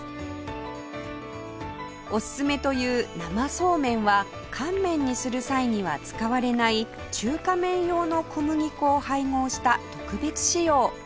おすすめという生そうめんは乾麺にする際には使われない中華麺用の小麦粉を配合した特別仕様